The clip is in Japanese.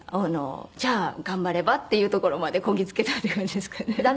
じゃあ頑張ればっていうところまでこぎ着けたっていう感じですかね。